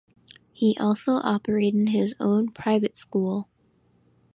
He also operated his own private school.